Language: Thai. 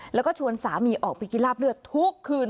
แล้วก็ชวนสามีออกไปกินลาบเลือดทุกคืน